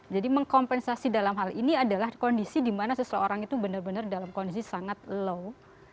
jadi mengkompensasi dalam hal ini adalah kondisi di mana seseorang itu benar benar dalam kondisi sangat low